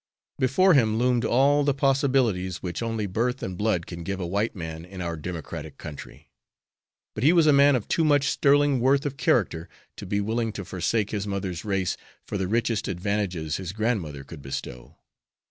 Before him loomed all the possibilities which only birth and blood can give a white man in our Democratic country. But he was a man of too much sterling worth of character to be willing to forsake his mother's race for the richest advantages his grandmother could bestow.